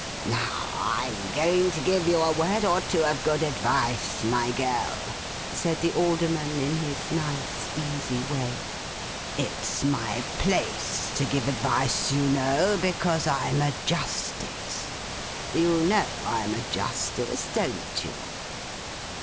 'Now, I'm going to give you a word or two of good advice, my girl,' said the Alderman, in his nice easy way. 'It's my place to give advice, you know, because I'm a Justice. You know I'm a Justice, don't you?